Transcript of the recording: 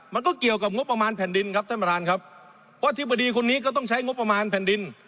มันก็เกี่ยวกับงบประมาณแผ่นดินครับท่านประธานครับว่าอธิบดีคนนี้ก็ต้องใช้งบประมาณแผ่นดิน